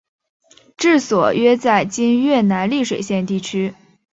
治所约在今越南丽水县地区。